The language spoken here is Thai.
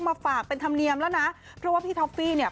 มาฝากเป็นธรรมเนียมแล้วนะเพราะว่าพี่ท็อฟฟี่เนี่ย